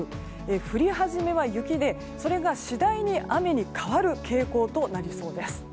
降り始めは雪で、それが次第に雨に変わる傾向となりそうです。